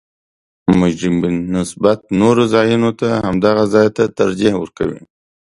مجرمین نسبت نورو ځایونو ته همدغه ځا ته ترجیح ورکوي